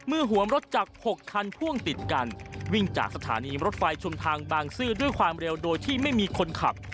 หวมรถจักร๖คันพ่วงติดกันวิ่งจากสถานีรถไฟชุมทางบางซื่อด้วยความเร็วโดยที่ไม่มีคนขับ